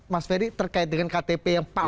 mas ferry terkait dengan ktp yang palsu ini